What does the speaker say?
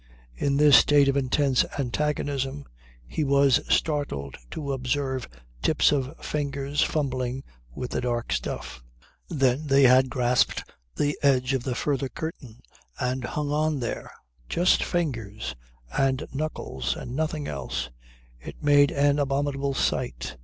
In this state of intense antagonism he was startled to observe tips of fingers fumbling with the dark stuff. Then they grasped the edge of the further curtain and hung on there, just fingers and knuckles and nothing else. It made an abominable sight.